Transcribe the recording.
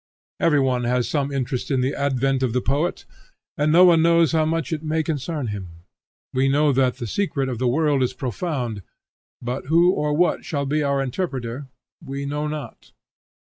Every one has some interest in the advent of the poet, and no one knows how much it may concern him. We know that the secret of the world is profound, but who or what shall be our interpreter, we know not.